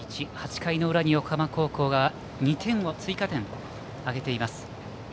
８回の裏に横浜高校は２点の追加点を挙げています。